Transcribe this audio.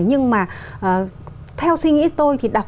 nhưng mà theo suy nghĩ tôi thì đọc